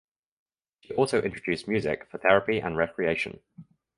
She also introduced music for therapy and recreation.